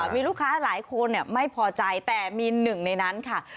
มีลูกค้าหลายคนไม่พอใจแต่มีหนึ่งในนั้นค่ะ